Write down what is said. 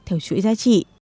theo chuỗi giá trị